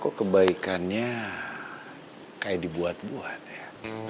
kok kebaikannya kayak dibuat buat ya